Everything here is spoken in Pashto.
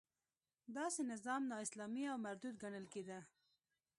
داسې نظام نا اسلامي او مردود ګڼل کېده.